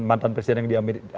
mantan presiden yang di amerika